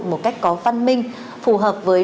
một cách có phân minh phù hợp với